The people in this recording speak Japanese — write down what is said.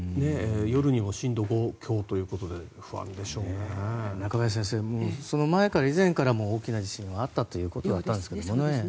夜にも震度５強ということで中林さんその前から以前からも大きな地震があったということだったんですね。